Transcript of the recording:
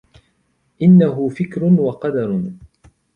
إنه فكر وقدر